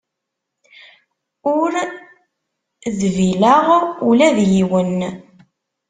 Ur dbileɣ ula d yiwen.